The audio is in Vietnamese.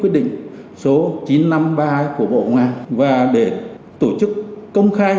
đảm bảo tính công khai